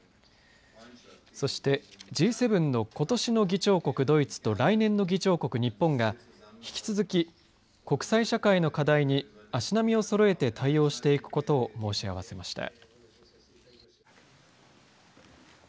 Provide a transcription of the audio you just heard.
そしてＧ７のことしの議長国ドイツと来年の議長国、日本が引き続き国際社会の課題に足並みをそろえて対応していくことを申し合わせました。